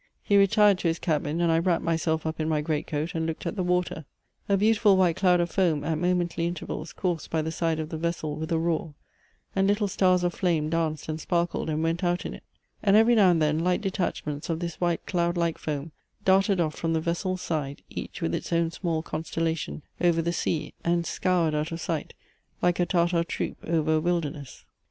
He retired to his cabin, and I wrapped myself up in my great coat, and looked at the water. A beautiful white cloud of foam at momently intervals coursed by the side of the vessel with a roar, and little stars of flame danced and sparkled and went out in it: and every now and then light detachments of this white cloud like foam darted off from the vessel's side, each with its own small constellation, over the sea, and scoured out of sight like a Tartar troop over a wilderness.